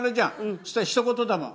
そしたらひと言だもん。